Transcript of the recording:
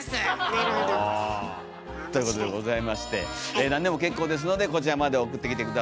なるほど。ということでございまして何でも結構ですのでこちらまで送ってきて下さい。